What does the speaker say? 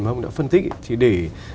mà ông đã phân tích thì để